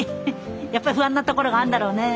やっぱり不安なところがあんだろうね。